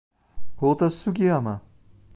Kōta Sugiyama